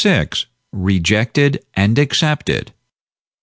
REJECTED AND ACCEPTED.